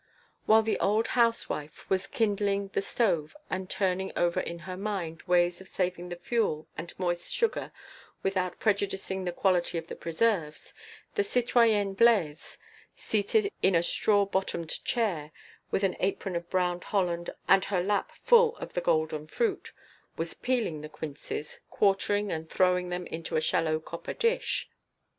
While the old housewife was kindling the stove and turning over in her mind ways of saving the fuel and moist sugar without prejudicing the quality of the preserves, the citoyenne Blaise, seated in a straw bottomed chair, with an apron of brown holland and her lap full of the golden fruit, was peeling the quinces, quartering and throwing them into a shallow copper basin.